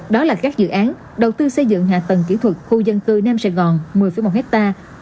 đó là các dự án đầu tư xây dựng hạ tầng kỹ thuật khu dân cư nam sài gòn một mươi một hectare